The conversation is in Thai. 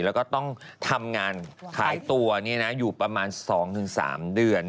แล้วก็ต้องทำงานขายตัวอยู่ประมาณ๒๓เดือน